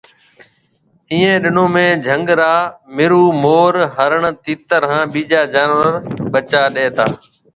ايون ڏنون ۾ جھنگ را مرو مور، ھرڻ، تِيتر ھان ٻيجا جناور ٻچا ڏَي تا